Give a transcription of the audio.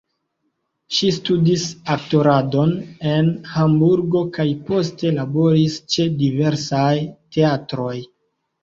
Ŝi studis aktoradon en Hamburgo kaj poste laboris ĉe diversaj teatroj.